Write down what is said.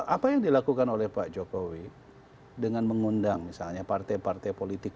apa yang dilakukan oleh pak jokowi dengan mengundang misalnya partai partai politik